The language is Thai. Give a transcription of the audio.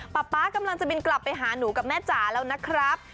ป๊ากำลังจะบินกลับไปหาหนูกับแม่จ๋าแล้วนะครับ